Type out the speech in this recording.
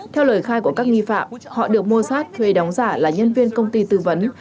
theo lời khai của các nghi phạm họ được mua sát thuê đóng giả là nhân viên công ty tư vấn